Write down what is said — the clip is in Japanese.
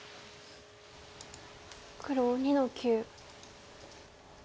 黒２の九。